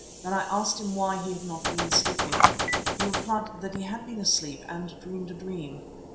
Then I asked him why he had not been sleeping. He replied that he had been asleep and dreamed a dream.